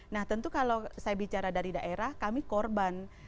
nah tentu kalau saya bicara dari daerah kami korban